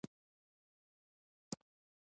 د ماشوم د ژیړي لپاره د لمر وړانګې وکاروئ